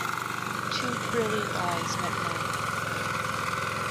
Two brilliant eyes met mine.